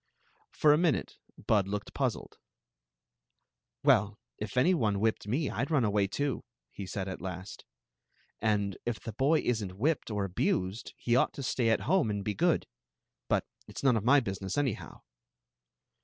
For a minute Bud looked puzzled. " Well, if any one whipped me, I 'd run away, too," he said at last " And if the boy is n't whipped or abused he ought to stay at home and be good. But it *s none of my business, anyhow.